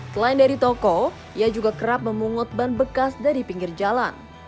selain dari toko ia juga kerap memungut ban bekas dari pinggir jalan